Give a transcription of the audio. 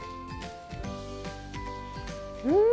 うん！